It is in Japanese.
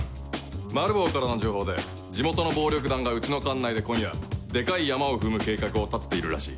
マルボウからの情報で地元の暴力団がうちの管内で今夜デカいヤマを踏む計画を立てているらしい。